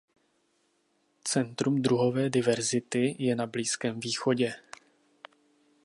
Centrum druhové diverzity je na Blízkém východě.